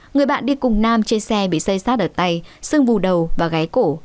người bạn đi cùng nam trên xe bị xây sát ở tay xưng vù đầu và gái cổ